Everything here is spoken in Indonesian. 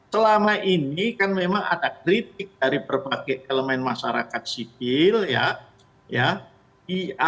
selama ini kan memang ada kritik dari berbagai elemen masyarakat sipil ya ya di apa arah penduduk ya